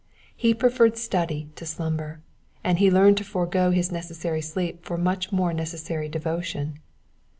He pre ferred study to slumber ; and he learned to forego his necessary sleep for much more necessary devotion.